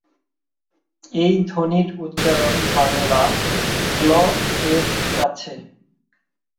এই ধ্বনির উচ্চারণ বাংলা "গ্ল"-এর কাছে।